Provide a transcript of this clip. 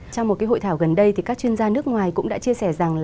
trong một hội thảo gần đây các chuyên gia nước ngoài cũng đã chia sẻ rằng